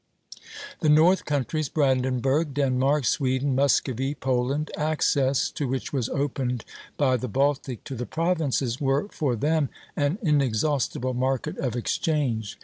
The north countries, Brandenburg, Denmark, Sweden, Muscovy, Poland, access to which was opened by the Baltic to the Provinces, were for them an inexhaustible market of exchange.